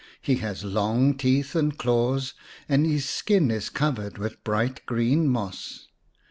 He has long teeth and claws, and his skin is covered with bright green moss.